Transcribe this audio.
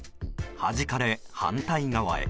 はじかれ反対側へ。